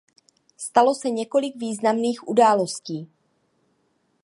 Stalo se několik významných událostí.